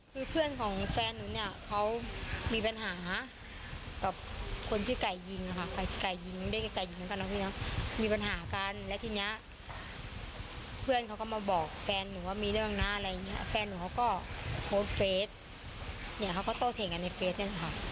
คือเพื่อนของแฟนหนูเนี่ยเขามีปัญหากับคนชื่อไก่ยิงค่ะมีปัญหากันแล้วทีเนี้ยเพื่อนเขาก็มาบอกแฟนหนูว่ามีเรื่องหน้าอะไรอย่างเงี้ยแฟนหนูเขาก็โพสเฟสเนี่ยเขาก็โตเถงกันในเฟสเนี่ยค่ะ